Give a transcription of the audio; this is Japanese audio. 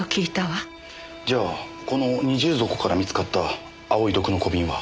じゃあこの二重底から見つかった青い毒の小瓶は。